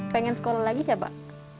pengen sekolah lagi kak